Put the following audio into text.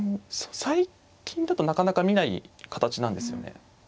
最近だとなかなか見ない形なんですよね。